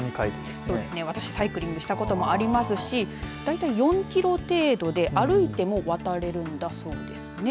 私、サイクリングしたこともありますし、大体４キロ程度で歩いても渡れるんだそうですね。